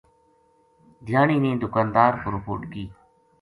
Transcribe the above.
دھیانی نے دکاندار پو رپوٹ کی